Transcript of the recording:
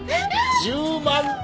１０万点！